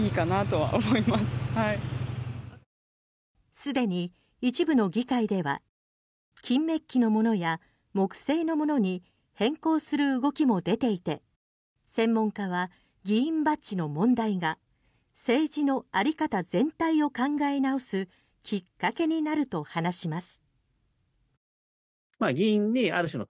既に一部の議会では金メッキのものや木製のものに変更する動きも出ていて専門家は議員バッジの問題が政治のあり方全体を考え直すきっかけになると話します。